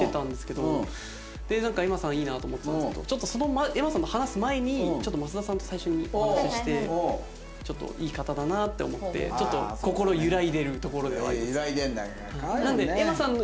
なんか瑛茉さんいいなと思ってたんですけどちょっとその前瑛茉さんと話す前にちょっと益田さんと最初にお話ししてちょっといい方だなって思ってちょっと心揺らいでるところではあります。